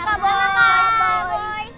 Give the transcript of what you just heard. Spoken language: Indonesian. sama sama kak boy